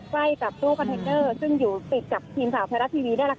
ไฟกับตู้คอนเทนเนอร์ซึ่งอยู่ติดกับหินสาวแพรรัสทีวีได้แหละค่ะ